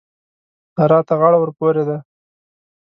سارا ته غاړه ورپورې ده.